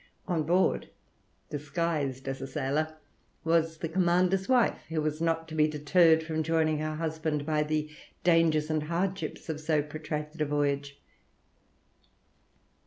On board, disguised as a sailor, was the commander's wife, who was not to be deterred from joining her husband by the dangers and hardships of so protracted a voyage.